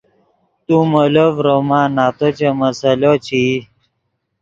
تو مولو ڤروما نتو چے مسئلو چے ای